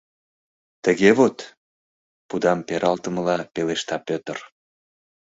— Тыге вот!.. — пудам пералтымыла пелешта Пӧтыр.